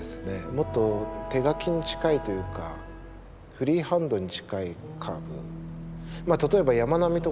もっと手描きに近いというかフリーハンドに近いカーブ。